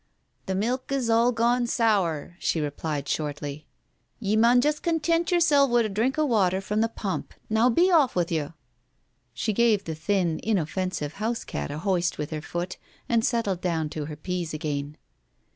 "The milk is all gone sour," she replied shortly.' "Ye mun just content yersel's wi' a drink of water from the pump. Now be off with you !" She gave the thin, inoffensive house cat a hoist with her foot, and settled down to her peas again.